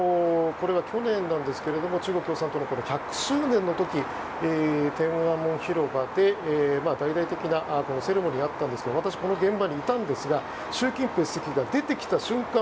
去年なんですが中国共産党の１００周年の時天安門広場で大々的なセレモニーがあったんですが私、この現場にいたんですが習近平主席が出てきた瞬間